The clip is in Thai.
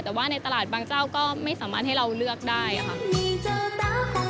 แต่ว่าในตลาดบางเจ้าก็ไม่สามารถให้เราเลือกได้ค่ะ